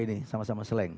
ini sama sama seleng